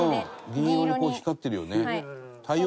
銀色に光ってるよね。